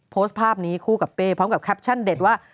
โพสต์ภาพนี้คู่กับเป้พร้อมกับแคปชั่นเด็ดว่า